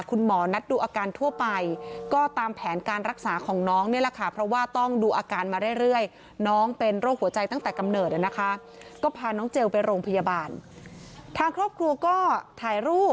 คุณหมอนัดดูอาการทั่วไปก็ตามแผนการรักษาของน้องเนี่ยแหละค่ะ